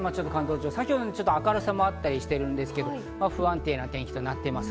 先ほど明るさもあったりしてるんですけど、不安定な天気となっています。